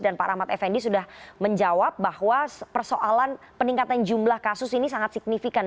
dan pak rahmat effendi sudah menjawab bahwa persoalan peningkatan jumlah kasus ini sangat signifikan